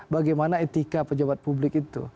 bagaimana etika pejabat publik itu